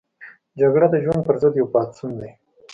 جګړه د ژوند پر ضد یو پاڅون دی